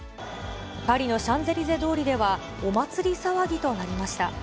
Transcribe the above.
パリのシャンゼリゼ通りでは、お祭り騒ぎとなりました。